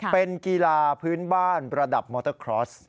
เป็นกีฬาพื้นบ้านระดับมอเตอร์คลอส